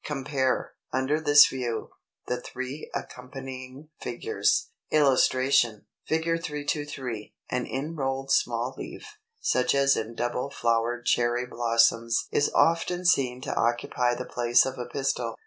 Compare, under this view, the three accompanying figures. [Illustration: Fig. 323. An inrolled small leaf, such as in double flowered Cherry blossoms is often seen to occupy the place of a pistil.